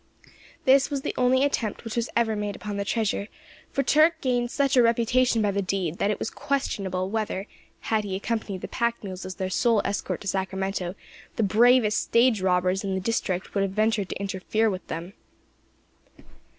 This was the only attempt which was ever made upon the treasure; for Turk gained such a reputation by the deed, that it was questionable whether, had he accompanied the pack mules as their sole escort to Sacramento, the bravest stage robbers in the district would have ventured to interfere with them.